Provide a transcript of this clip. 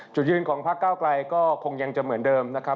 จุดยืนของพักเก้าไกลก็คงยังจะเหมือนเดิมนะครับ